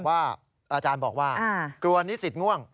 อาจารย์บอกว่ากลัวนิสิตง่วง